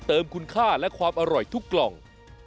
เติมคุณค่าและความอร่อยทุกกล่อง